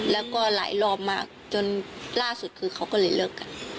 แล้วก็หลายรอบมากจนล่าสุดคือเขาก็เลยเลิกกัน